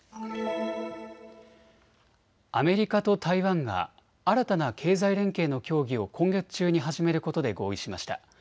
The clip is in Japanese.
アメリカと台湾が新たな経済連携の協議を今月中に始めることで合意しました。